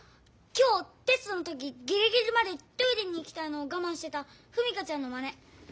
今日テストの時ギリギリまでトイレに行きたいのをがまんしてた史佳ちゃんのまね。